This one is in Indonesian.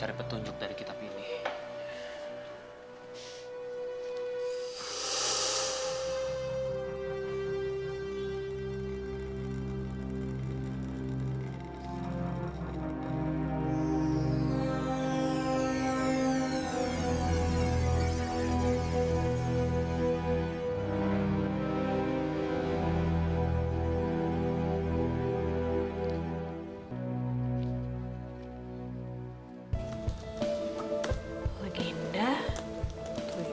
aku akan mengucapkanotong itu kemuahku